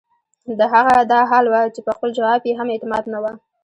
د هغه دا حال وۀ چې پۀ خپل جواب ئې هم اعتماد نۀ وۀ